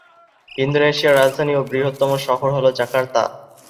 ইন্দোনেশিয়ার রাজধানী ও বৃহত্তম শহর হল জাকার্তা।